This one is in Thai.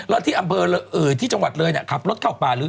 แล้วที่อำเภอเอ่ยที่จังหวัดเลยเนี่ยคับรถเข้าไป